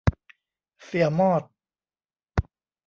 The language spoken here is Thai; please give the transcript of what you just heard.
เสี่ยมอด